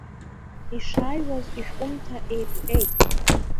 Ишааиуаз ишәҟәымҭа еиԥҟьеит.